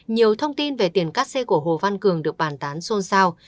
nhiều thông tin về tiền cát xe của hồ văn cường được bàn tán xôn xao